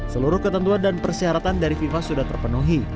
seluruh ketentuan dan persyaratan dari fifa sudah terpenuhi